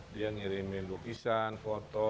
dia ngirimin lukisan foto